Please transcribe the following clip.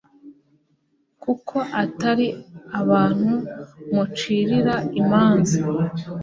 kuko atari abantu mucirira imanza